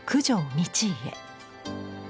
道家。